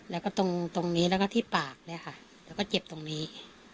แล้วก็ตรงนี้แล้วก็ที่ปากแล้วก็เจ็บตรงนี้